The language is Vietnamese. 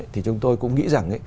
thì chúng tôi cũng nghĩ rằng